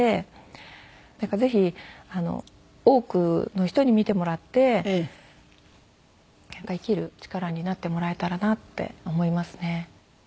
だからぜひ多くの人に見てもらって生きる力になってもらえたらなって思いますね。